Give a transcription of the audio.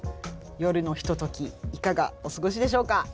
夜のひとときいかがお過ごしでしょうか。